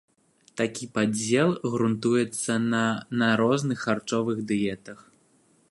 Такі падзел грунтуецца на на розных харчовых дыетах.